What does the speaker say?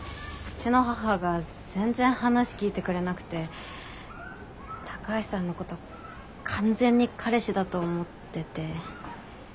うちの母が全然話聞いてくれなくて高橋さんのこと完全に彼氏だと思ってて。